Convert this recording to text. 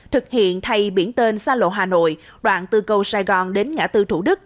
thực hiện thay biển tên xa lộ hà nội đoạn tư cầu sài gòn đến ngã tư thủ đức